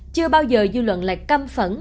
chưa bao giờ dư luận lại căm phẫn